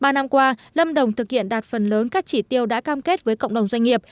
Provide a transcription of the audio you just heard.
ba năm qua lâm đồng thực hiện đạt phần lớn các chỉ tiêu đã cam kết với cộng đồng doanh nghiệp